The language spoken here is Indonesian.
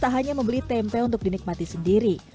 tak hanya membeli tempe untuk dinikmati sendiri